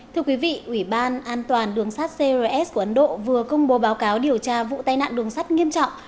thưa quý vị ủy ban an toàn đường sát crs của ấn độ vừa công bố báo cáo điều tra vụ tai nạn đường sắt nghiêm trọng